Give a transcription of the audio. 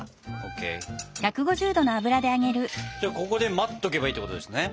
じゃあここで待っとけばいいっていうことですね。